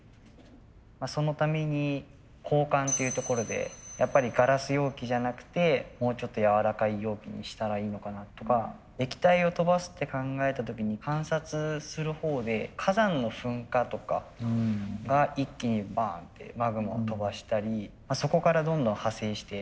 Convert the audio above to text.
そのために交換っていうところでやっぱりガラス容器じゃなくてもうちょっとやわらかい容器にしたらいいのかなとか液体を飛ばすって考えた時に観察するほうで火山の噴火とかが一気にバーンってマグマを飛ばしたりそこからどんどん派生して。